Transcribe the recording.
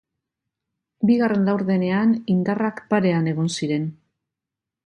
Bigarren laurdenean indarrak parean egon ziren.